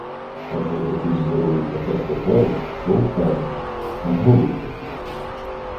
Адже такий здоровий пакет паперу — то, певно, не голий папір.